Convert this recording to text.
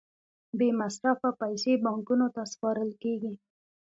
بې مصرفه پیسې بانکونو ته سپارل کېږي